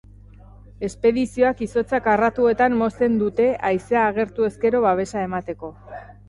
Espedizioak izotza karratuetan mozten dute haizea agertu ezkero babesa emateko.